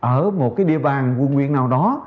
ở một cái địa bàn quận huyện nào đó